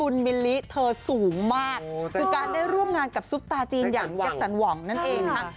อย่างแจ็คสันวองนั่นเองครับ